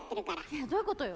いやどういうことよ。